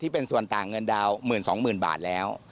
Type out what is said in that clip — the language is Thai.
เป็นส่วนต่างเงินดาวน๑๒๐๐๐บาทแล้ว